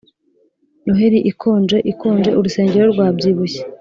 noheri ikonje ikonje, urusengero rwabyibushye